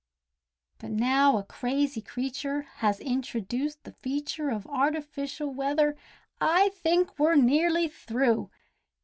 But now a crazy creature has introduced the feature Of artificial weather, I think we're nearly through.